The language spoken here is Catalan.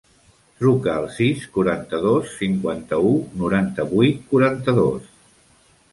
Truca al sis, quaranta-dos, cinquanta-u, noranta-vuit, quaranta-dos.